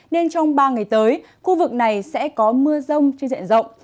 nên trong ba ngày tới khu vực này sẽ có mưa rông trên diện rộng